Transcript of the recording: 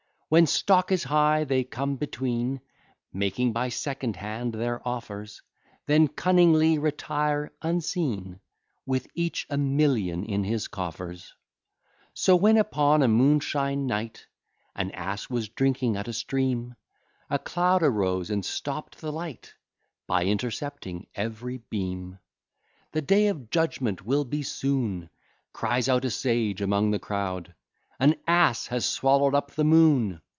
When stock is high, they come between, Making by second hand their offers; Then cunningly retire unseen, With each a million in his coffers. So, when upon a moonshine night, An ass was drinking at a stream, A cloud arose, and stopt the light, By intercepting every beam: The day of judgment will be soon, Cries out a sage among the crowd; An ass has swallow'd up the moon!